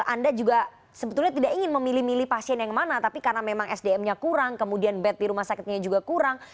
anda juga sebetulnya tidak ingin memilih milih pasien yang mana tapi karena memang sdm nya kurang kemudian bed di rumah sakitnya juga kurang